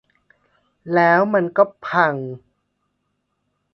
แล้วมันก็พัง